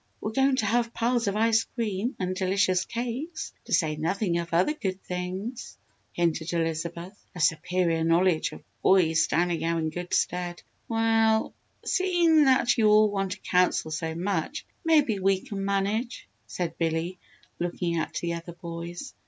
"We're going to have piles of ice cream and delicious cakes to say nothing of other good things," hinted Elizabeth, her superior knowledge of boys standing her in good stead. "We ll seeing that you all want a Council so much, maybe we can manage," said Billy, looking at the other boys.